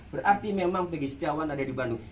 berarti memang tegi setiawan ada di bandung